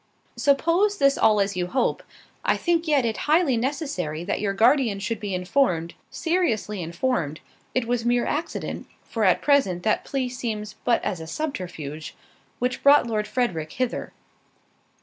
"Suppose this all as you hope—I yet think it highly necessary that your guardian should be informed, seriously informed, it was mere accident (for, at present, that plea seems but as a subterfuge) which brought Lord Frederick hither."